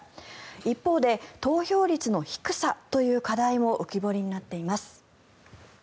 一方で投票率の低さという課題も浮き彫りになっています。